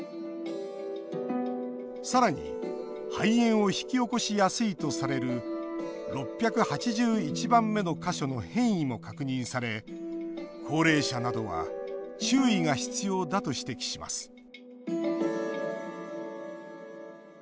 さらに肺炎を引き起こしやすいとされる６８１番目の箇所の変異も確認され高齢者などは注意が必要だと指摘します